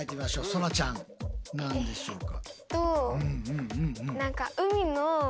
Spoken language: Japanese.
そらちゃん何でしょうか？